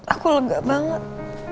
aku lega banget